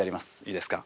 いいですか？